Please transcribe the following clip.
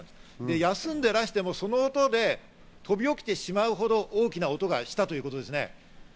休んでらしても、その音で飛び起きてしまうほど大きな音がしたということですね。